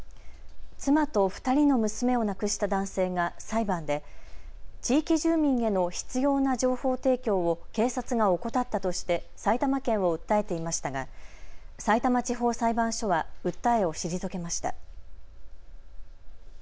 妻と２人の娘を亡くした男性が裁判で地域住民への必要な情報提供を警察が怠ったとして埼玉県を訴えていましたがさいたま地方裁判所は訴えを退けました。